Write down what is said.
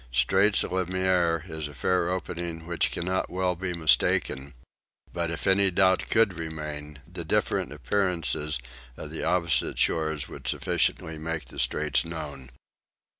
Straits le Maire is a fair opening which cannot well be mistaken; but if any doubt could remain, the different appearances of the opposite shores would sufficiently make the Straits known.